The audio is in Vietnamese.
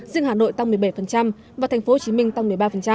riêng hà nội tăng một mươi bảy và tp hcm tăng một mươi ba